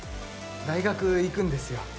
大学行くんですよ。